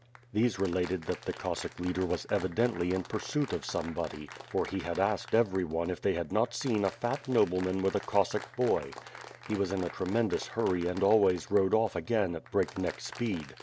These related that the Cossack leader was evidently in pursuit of somebody, for he had asked every one if they had not seen a fat nobleman with a Cos sack boy; he was in a tremendous hurry and always rode off again at break neck speed.